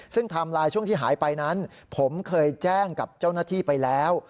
ซึ่งไทม์ไลน์ช่วงที่หายไปนั้นผมเคยแจ้งกับเจ้าหน้าที่ไปแล้ว